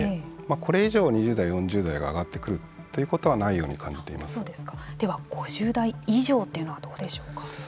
これ以上、２０代、４０代が上がってくるということはでは、５０代以上というのはどうでしょうか。